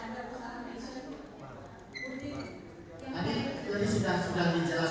ya betul di takram saya